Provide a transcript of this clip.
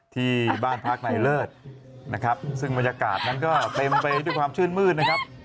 ที่บ้านพักในเลิศนะครับซึ่งบรรยากาศนั้นก็เต็มไปด้วยความชื่นมืดนะครับ